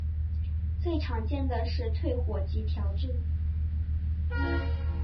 最常见的是退火及调质。